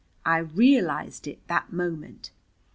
_ I realized it that moment.